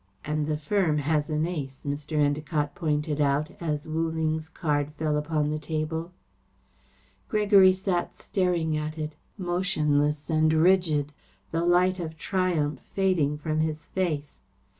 "And the firm has an ace," Mr. Endacott pointed out, as Wu Ling's card fell upon the table. Gregory sat staring at it, motionless and rigid, the light of triumph fading from his face.